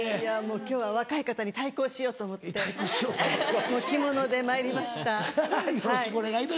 今日は若い方に対抗しようと思って着物でまいりました。